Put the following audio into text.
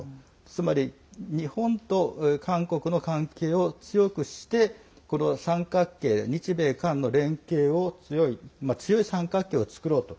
つまり日本と韓国の関係を強くしてこの三角形日米韓の強い三角形を作ろうと。